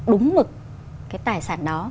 đúng mực cái tài sản đó